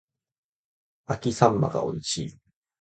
秋刀魚が美味しい